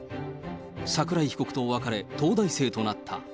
桜井被告と別れ、東大生となった。